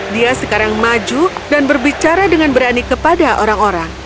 dia sekarang maju dan berbicara dengan berani kepada orang orang